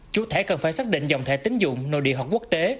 chủ thể cần phải xác định dòng thẻ tính dụng nội địa hoặc quốc tế